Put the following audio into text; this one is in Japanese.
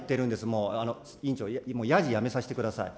もう委員長、やじ、やめさせてください。